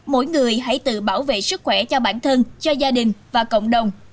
mỗi người hãy tự bảo vệ sức khỏe cho bản thân cho gia đình và cộng đồng